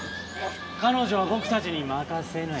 彼女は僕たちに任せなよ。